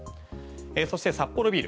そしてサッポロビール